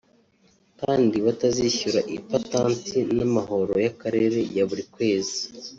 kandi batazishyura ipatanti n’amahoro y’akarere ya buri kwezi